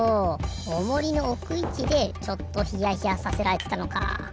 オモリのおくいちでちょっとヒヤヒヤさせられてたのか。